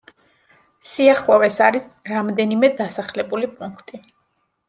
სიახლოვეს არის რამდენიმე დასახლებული პუნქტი.